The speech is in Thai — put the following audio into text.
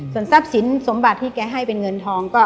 ส่วนทรัพย์สินสมบัติที่แกให้เป็นเงินทองก็